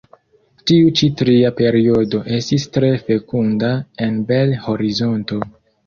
Tiu ĉi tria periodo estis tre fekunda en Bel-Horizonto.